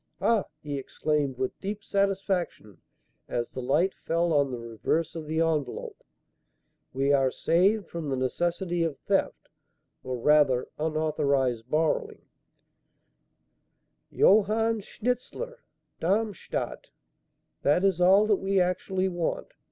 "Ha!" he exclaimed with deep satisfaction, as the light fell on the reverse of the envelope, "we are saved from the necessity of theft or rather, unauthorized borrowing 'Johann Schnitzler, Darmstadt.' That is all that we actually want.